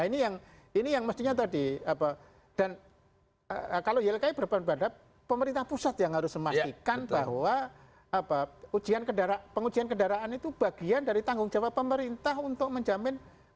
nah ini yang mestinya tadi dan kalau ylki berbandar bandar pemerintah pusat yang harus memastikan bahwa pengujian kendaraan itu bagian dari tanggung jawab pemerintah untuk menjamin keadaan kendaraan